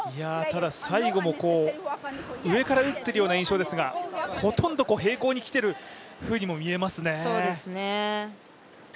最後も上から打ってるような印象ですがほとんど平行に打ってるようにも見えますね。